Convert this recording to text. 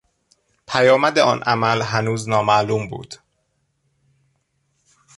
پیامد آن عمل هنوز نامعلوم بود.